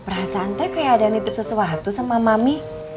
perasaan saya kayak ada nitip sesuatu sama mami